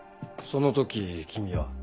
その時君は？